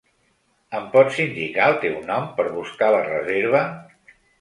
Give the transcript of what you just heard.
Em pots indicar el teu nom per buscar la reserva?